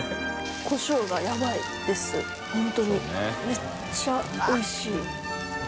めっちゃおいしい。